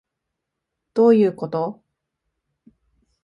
どういうこと？